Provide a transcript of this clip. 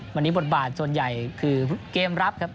วันนี้บทบาทส่วนใหญ่คือเกมรับครับ